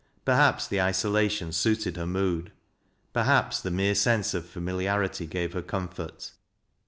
Perhaps the isolation suited her mood ; perhaps the mere sense of familiarity gave her comfort.